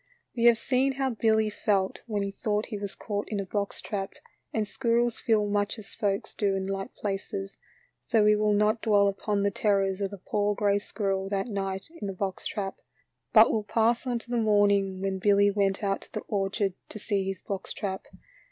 We have seen how Billy felt when he thought he was caught in a box trap, and squirrels feel much as folks do in like places, so we will not dwell upon the terrors of the poor gray squirrel that night in the box trap, but will pass on to the morning when Billy went out to the orchard to see his box trap.